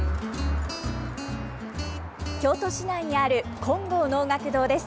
京都市内にある金剛能楽堂です。